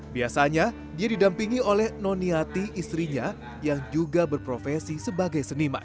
biasanya dia didampingi oleh noniyati istrinya yang juga berprofesi sebagai seniman